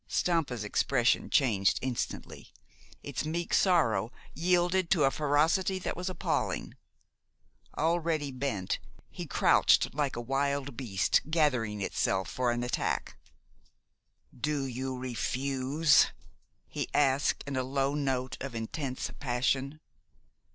Stampa's expression changed instantly. Its meek sorrow yielded to a ferocity that was appalling. Already bent, he crouched like a wild beast gathering itself for an attack. "Do you refuse?" he asked, in a low note of intense passion.